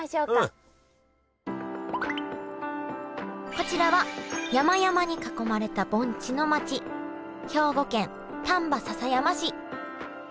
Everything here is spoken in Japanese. こちらは山々に囲まれた盆地の町兵庫県丹波篠山市。